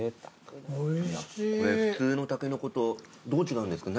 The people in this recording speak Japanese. これ普通のタケノコとどう違うんですか？